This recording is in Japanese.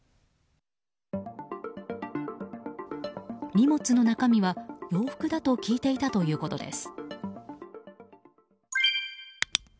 荷物の中身は洋服だと聞いていたということです。